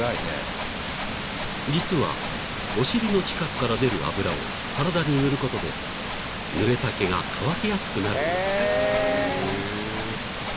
［実はお尻の近くから出る油を体に塗ることでぬれた毛が乾きやすくなるんだとか］